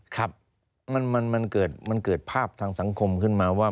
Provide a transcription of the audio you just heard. ครับมันเกิดภาพทางสังคมขึ้นมาว่า